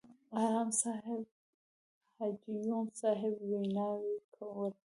اړم صاحب، حاجي یون صاحب ویناوې وکړې.